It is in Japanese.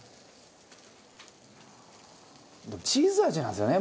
チーズ味なんですよね